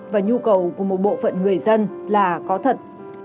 và nhu cầu của một bộ phận người dân là có thật